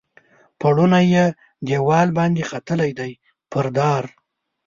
پوړونی یې دیوال باندې ختلي دي پر دار